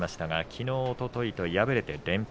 きのう、おとといと敗れています。